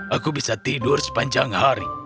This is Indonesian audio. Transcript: aku bisa tidur sepanjang hari